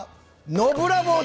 ノブラボー！？